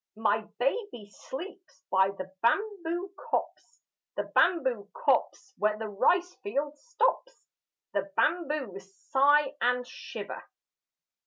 My baby sleeps by the bamboo copse The bamboo copse where the rice field stops: The bamboos sigh and shiver.